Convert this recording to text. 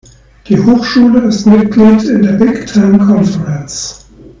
Die Hochschule ist Mitglied in der Big Ten Conference.